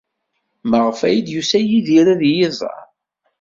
Maɣef ay d-yusa Yidir ad iyi-iẓer?